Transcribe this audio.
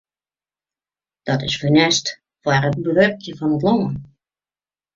Dat is funest foar de bewurking fan it lân.